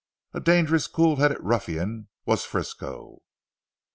A dangerous cool headed ruffian was Frisco.